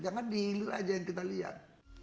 jangan dihilir aja yang kita lihat